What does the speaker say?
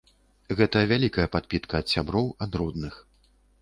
Гэта вялікая падпітка ад сяброў, ад родных.